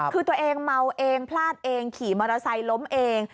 คือตัวเองเมาเองพลาดเองขี่มอเตอร์ไซค์ล้มเอง